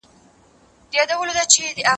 دا وخت له هغه مهم دی!؟